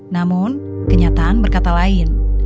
namun kenyataan berkata lain